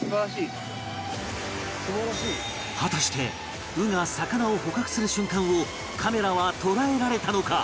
果たして鵜が魚を捕獲する瞬間をカメラは捉えられたのか？